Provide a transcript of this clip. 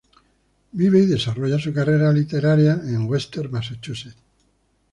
Vive y desarrolla su carrera literaria en Western Massachusetts.